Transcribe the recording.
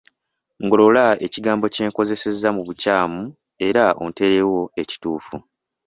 Ngolola ekigambo kye nkozesezza mu bukyamu era onteerewo ekituufu.